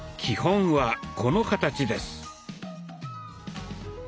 基本はこの形です。